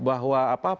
ya baik kita lanjutkan